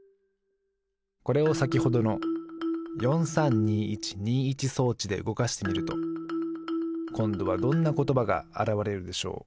これをさきほどの４３２１２１装置でうごかしてみるとこんどはどんなことばがあらわれるでしょう？